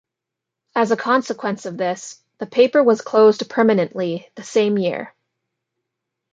As a consequence of this, the paper was closed permanently the same year.